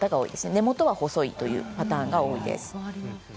根元は細いというパターンが多いです。